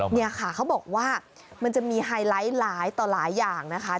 เนี่ยค่ะเขาบอกว่ามันจะมีไฮไลท์หลายต่อหลายอย่างนะคะ